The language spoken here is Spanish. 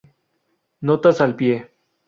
Notas al pie